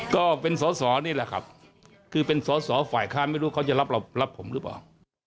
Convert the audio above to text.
ก็เป็นสอสอนี่แหละครับคือเป็นสอสอฝ่ายค้านไม่รู้เขาจะรับผมหรือเปล่า